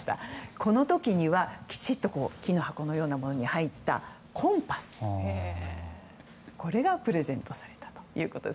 この時にはきちんと木の箱のようなものに入ったコンパスがプレゼントされたということです。